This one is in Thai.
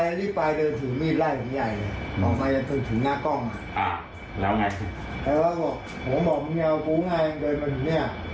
จิบขึ้นไปแล้วตอนก็ทีมีนมา